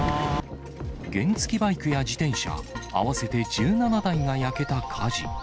原付バイクや自転車合わせて１７台が焼けた火事。